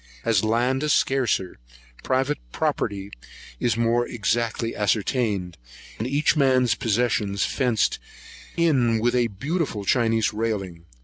As land is scarcer, private property is more exactly ascertained, and each man's possession fenced in with a beautiful Chinese railing.